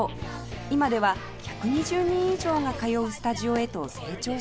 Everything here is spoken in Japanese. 今では１２０人以上が通うスタジオへと成長しました